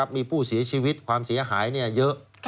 มีผู้เสียชีวิตความเสียหายเยอะ